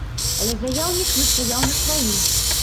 Але заяўнік настаяў на сваім.